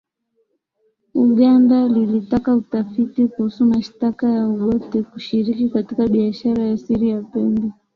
Uganda lilitaka utafiti kuhusu mashtaka ya Obote kushiriki katika biashara ya siri ya pembe